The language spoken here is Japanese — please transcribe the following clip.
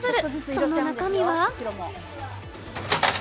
その中身は？